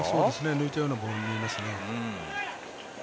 抜いたようなボールに見えますね。